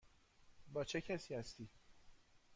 با چه کسی هستی؟